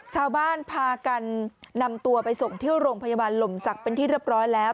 ชาวบ้านพากันนำตัวไปส่งที่โรงพยาบาลลมศักดิ์เป็นที่เรียบร้อยแล้ว